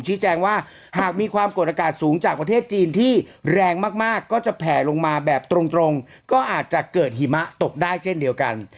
แจ้งว่าหากมีความกดอากาศสูงจากประเทศจีนที่แรงมากก็จะแผลลงมาแบบตรงก็อาจจะเกิดหิมะตกได้เช่นเดียวกัน